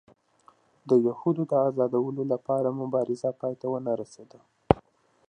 د یهودیانو د ازادولو لپاره مبارزه پای ته ونه رسېده.